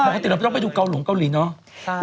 ปกติเราไม่ต้องไปดูเกาหลงเกาหลีเนาะ